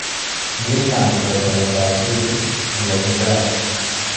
Neil Young heard Novastar's music, and was impressed.